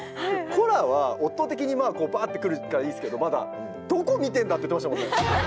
「コラッ！」は音的にまあこうバッてくるからいいですけどまだ「どこ見てんだ」って言ってましたもんね。